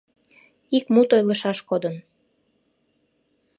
Ик мут ойлышаш кодын.